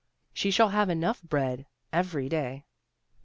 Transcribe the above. She shall have enough bread every day."